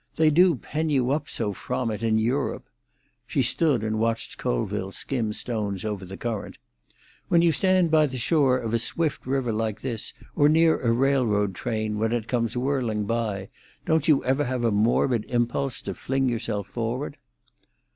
They do pen you up so from it in Europe!" She stood and watched Colville skim stones over the current. "When you stand by the shore of a swift river like this, or near a railroad train when it comes whirling by, don't you ever have a morbid impulse to fling yourself forward?"